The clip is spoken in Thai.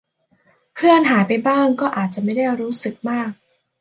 เพื่อนหายไปบ้างก็อาจจะไม่ได้รู้สึกมาก